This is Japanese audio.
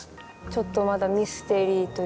ちょっとまだミステリーというか。